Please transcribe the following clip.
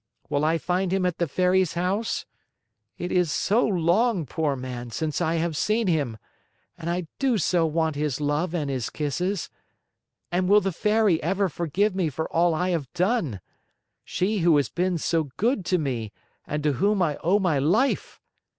Will I find him at the Fairy's house? It is so long, poor man, since I have seen him, and I do so want his love and his kisses. And will the Fairy ever forgive me for all I have done? She who has been so good to me and to whom I owe my life!